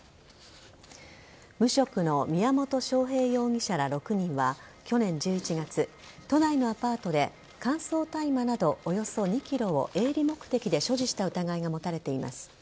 無職の宮本晶平容疑者ら６人は去年１１月、都内のアパートで乾燥大麻などおよそ２ｋｇを営利目的で所持した疑いが持たれています。